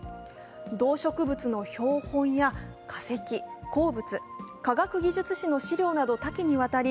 動植物の標本や化石、鉱物、科学技術史の資料など多岐にわたり